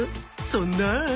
そんなあ